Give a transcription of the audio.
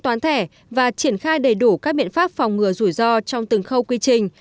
toán thẻ và triển khai đầy đủ các biện pháp phòng ngừa rủi ro trong từng khâu quy trình